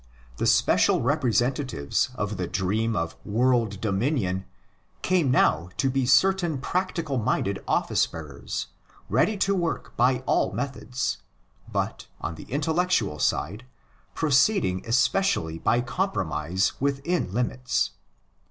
The special representatives of the dream of world dominion came now to be certain practical minded office bearers, ready to work by all methods, but, on the intellectual side, proceeding especially by compromise THE CATHOLIC CHURCH 51 within limits.